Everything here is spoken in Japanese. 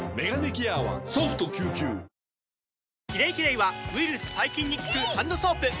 「キレイキレイ」はウイルス・細菌に効くハンドソープ！